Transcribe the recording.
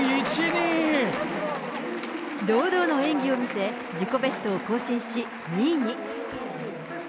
堂々の演技を見せ、自己ベストを更新し、２位に。